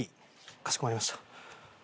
かしこまりました。